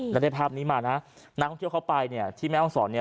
แล้วได้ภาพนี้มานะนักท่องเที่ยวเขาไปเนี่ยที่แม่ห้องศรเนี่ย